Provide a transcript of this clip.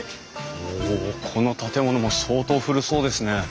おこの建物も相当古そうですね。